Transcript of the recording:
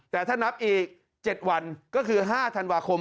แต่ถ้านับอีก๗วันก็คือ๕ธันวาคม